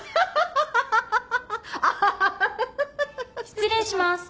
・失礼します。